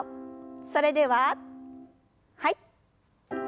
それでははい。